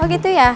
oh gitu ya